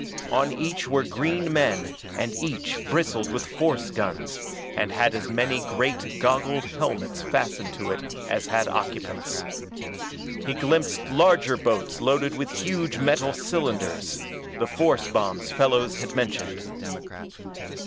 On each were green men and each bristled with force guns, and had as many great goggled helmets fastened to it as it had occupants. He glimpsed larger boats loaded with huge metal cylinders the force bombs Fellows had mentioned.